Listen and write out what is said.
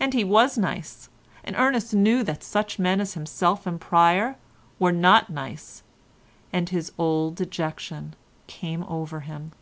And he was nice, and Ernest knew that such men as himself and Pryer were not nice, and his old dejection came over him.